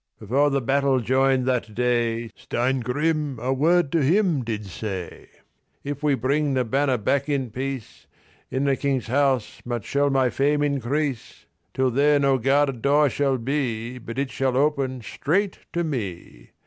THE RAVEN Before the battle joined that day Steingrim a word to him did say: "If we bring the banner back in peace, In the King's house much shall my fame increase; Till there no guarded door shall be But it shall open straight to me.